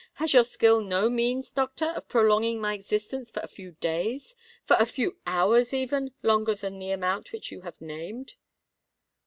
Has your skill no means, doctor, of prolonging my existence for a few days—for a few hours, even, longer than the amount which you have named?"